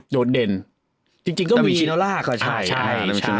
แต่มีชินอลล่าก็ใช่